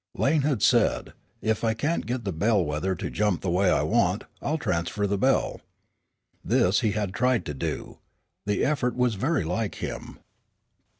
Lane had said, "If I can't get the bellwether to jump the way I want, I'll transfer the bell." This he had tried to do. The effort was very like him.